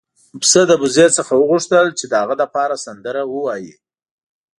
پسه له وزې څخه وغوښتل چې د هغه لپاره سندره ووايي.